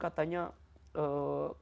kalau taat sama suami